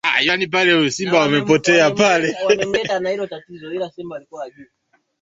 matangazo yanaweza kuwa na mifumo tofauti kulingana na ujumbe